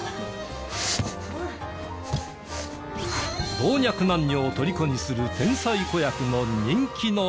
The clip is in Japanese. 老若男女を虜にする天才子役の人気の秘密を。